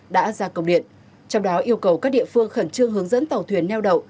đã ra công điện trong đó yêu cầu các địa phương khẩn trương hướng dẫn tàu thuyền neo đậu